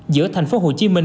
giữa thành phố hồ chí minh